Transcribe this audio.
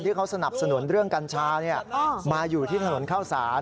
เขาสนับสนุนเรื่องกัญชามาอยู่ที่ถนนเข้าสาร